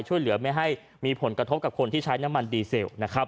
ช่วยเหลือไม่ให้มีผลกระทบกับคนที่ใช้น้ำมันดีเซลนะครับ